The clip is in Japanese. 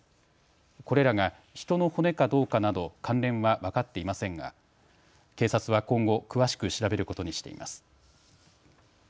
これらが人の骨かどうかなど関連は分かっていませんが警察は今後、詳しく調べることにしています。